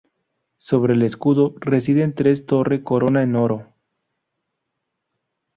Sobre el escudo residen tres torre corona en oro.